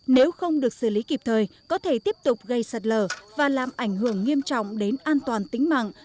nếu không được xử lý kịp thời có thể tiếp tục gây sạt lở và làm ảnh hưởng nghiêm trọng đến an toàn tính mạng